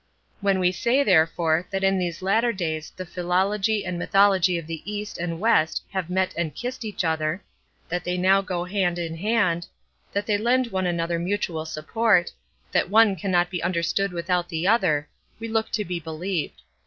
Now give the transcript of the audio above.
When we say, therefore, that in these latter days the philology and mythology of the East and West have met and kissed each other; that they now go hand and hand; that they lend one another mutual support; that one cannot be understood without the other,—we look to be believed.